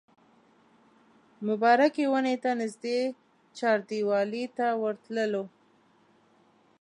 مبارکې ونې ته نږدې چاردیوالۍ ته ورتللو.